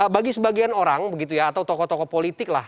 bagi sebagian orang begitu ya atau tokoh tokoh politik lah